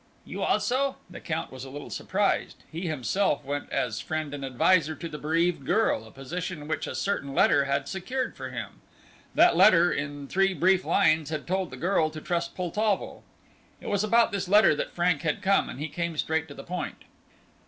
"You also?" The Count was a little surprised. He himself went as friend and adviser to the bereaved girl, a position which a certain letter had secured for him. That letter in three brief lines had told the girl to trust Poltavo. It was about this letter that Frank had come, and he came straight to the point.